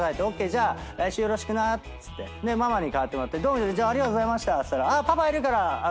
じゃあ来週よろしくっつってママに代わってありがとうございましたっつったら「パパいるから代わるよ」